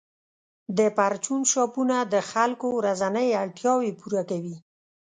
د پرچون شاپونه د خلکو ورځنۍ اړتیاوې پوره کوي.